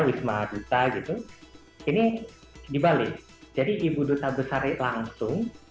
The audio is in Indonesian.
wisma duta gitu ini dibalik jadi ibu duta besar itu langsung